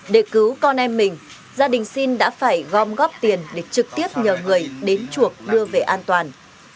để cứu con em mình gia đình sinh đã phải gom góp tiền để trực tiếp nhờ người đến chuộc đưa về an toàn